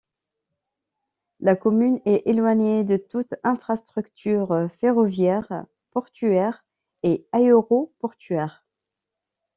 La commune est éloignée de toutes infrastructures ferroviaires, portuaires et aéroportuaires.